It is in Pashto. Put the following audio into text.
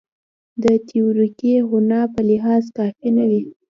د تیوریکي غنا په لحاظ کافي نه وي.